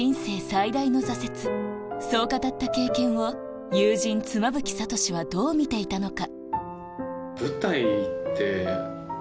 そう語った経験を友人妻夫木聡はどう見ていたのか？